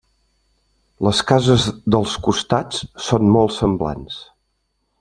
Les cases dels costats són molt semblants.